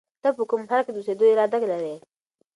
ته په کوم ښار کې د اوسېدو اراده لرې؟